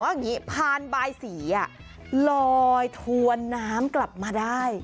ว่าอย่างงี้ผ่านบายศรีอ่ะลอยถวนน้ำกลับมาได้